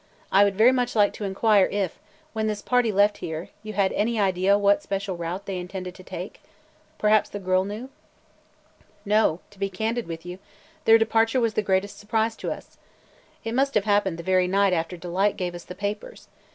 I would very much like to inquire if, when this party left here, you had any idea what special route they intended to take? Perhaps the girl knew?" "No, to be candid with you, their departure was the greatest surprise to us. It must have happened the very night after Delight gave us the papers.